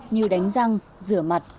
như đánh răng rửa mặt